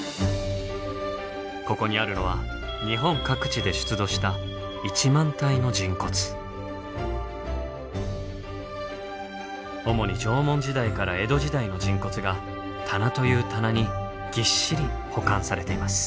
ここにあるのは日本各地で出土した主に縄文時代から江戸時代の人骨が棚という棚にぎっしり保管されています。